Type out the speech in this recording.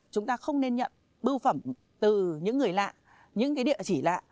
chúng ta không nên nhận bưu phẩm từ những người lạ những cái địa chỉ lạ